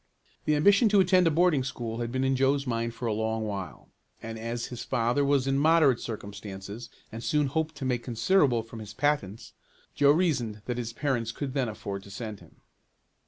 The ambition to attend a boarding school had been in Joe's mind for a long while, and as his father was in moderate circumstances, and soon hoped to make considerable from his patents, Joe reasoned that his parents could then afford to send him.